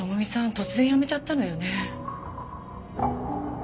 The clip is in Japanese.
突然辞めちゃったのよね。